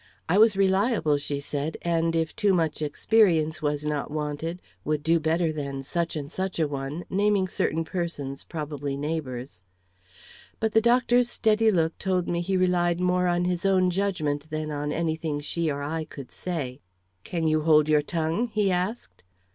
I was reliable, she said, and if too much experience was not wanted, would do better than such and such a one naming certain persons, probably neighbors. But the doctor's steady look told me he relied more on his own judgment than on anything she or I could say. "Can you hold your tongue?" he asked.